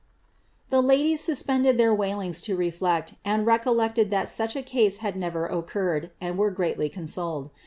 *"' The ladies suspended their wailings to reflect, and recol ; lected that such a case had never occurred, and were greatly consoled.